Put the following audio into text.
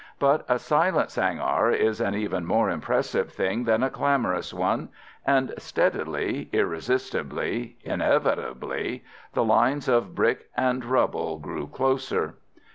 But a silent sangar is an even more impressive thing than a clamorous one, and steadily, irresistibly, inevitably, the lines of brick and rubble drew closer.